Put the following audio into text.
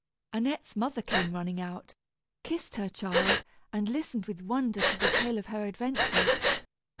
Annette's mother came running out, kissed her child, and listened with wonder to the tale of her adventures.